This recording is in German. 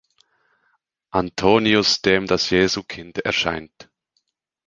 Antonius, dem das Jesuskind erscheint.